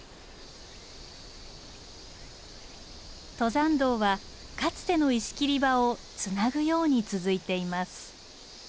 登山道はかつての石切場をつなぐように続いています。